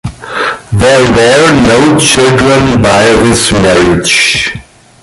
There were no children by this marriage.